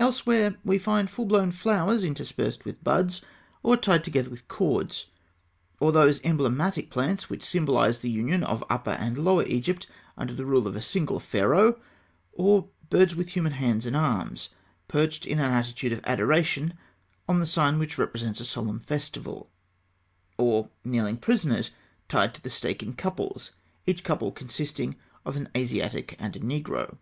Elsewhere, we find full blown flowers interspersed with buds (fig. 98), or tied together with cords (fig. 99); or those emblematic plants which symbolise the union of Upper and Lower Egypt under the rule of a single Pharaoh (fig. 100); or birds with human hands and arms, perched in an attitude of adoration on the sign which represents a solemn festival; or kneeling prisoners tied to the stake in couples, each couple consisting of an Asiatic and a negro (fig.